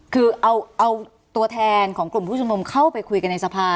คือเอาตัวแทนของกลุ่มผู้ชมนุมเข้าไปคุยกันในสภา